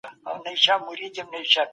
څوک غواړي چي نوښتونه وکړي؟